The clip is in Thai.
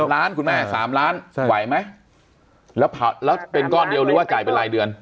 ล้านคุณแม่๓ล้านไหวไหมแล้วเป็นก้อนเดียวหรือว่าจ่ายเป็นรายเดือน